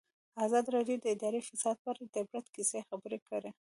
ازادي راډیو د اداري فساد په اړه د عبرت کیسې خبر کړي.